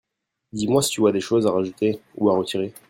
dis-moi si tu vois des choses à rajouter (ou à retirer).